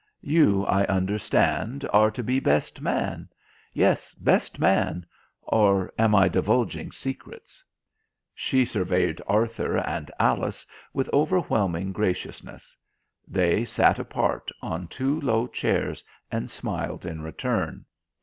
You, I understand, are to be best man yes, best man, or am I divulging secrets?" She surveyed Arthur and Alice with overwhelming graciousness. They sat apart on two low chairs and smiled in return.